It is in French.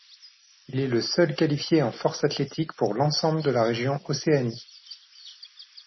Il est le seul qualifié en force athlétique pour l'ensemble de la région Océanie.